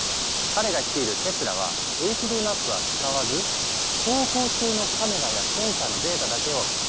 彼が率いるテスラはＨＤマップは使わず走行中のカメラやセンサーのデータだけを車内のＡＩが解析。